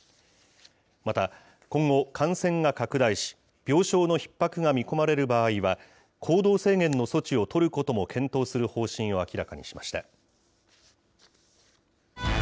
また、今後、感染が拡大し、病床のひっ迫が見込まれる場合は、行動制限の措置を取ることも検討する方針を明らかにしました。